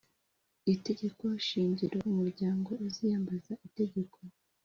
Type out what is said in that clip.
Itegeko shingiro umuryango uziyambaza itegeko